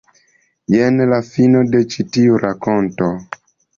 Jen la fino de ĉi tiu rakonto.